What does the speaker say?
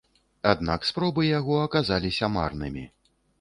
Аднак спробы яго аказаліся марнымі.